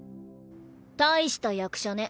大した役者ね。